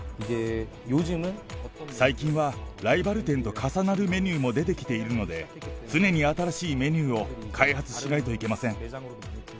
最近はライバル店と重なるメニューも出てきているので、常に新しいメニューを開発しないといけません。